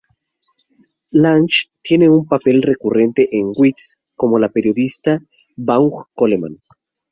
Lange tiene un papel recurrente en "Weeds" como el periodista Vaughn Coleman.